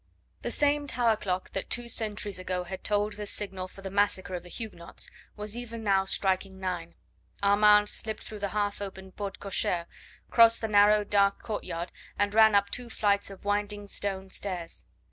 The same tower clock that two centuries ago had tolled the signal for the massacre of the Huguenots was even now striking nine. Armand slipped through the half open porte cochere, crossed the narrow dark courtyard, and ran up two flights of winding stone stairs.